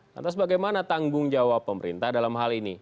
lantas bagaimana tanggung jawab pemerintah dalam hal ini